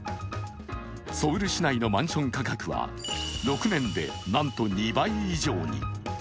ソウルしないのマンション価格は６年でなんと２倍以上に。